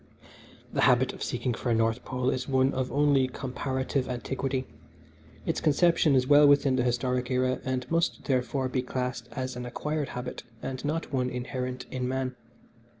"The habit of seeking for a North Pole is one of only comparative antiquity. Its conception is well within the historic era, and must, therefore, be classed as an acquired habit and one not inherent in man.